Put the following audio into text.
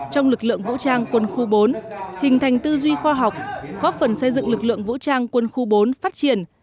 trong lực lượng vũ trang quân khu bốn hình thành tư duy khoa học góp phần xây dựng lực lượng vũ trang quân khu bốn phát triển